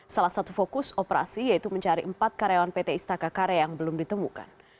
salah satu fokus operasi yaitu mencari empat karyawan pt istaka karya yang belum ditemukan